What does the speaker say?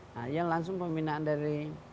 nah yang langsung pembinaan dari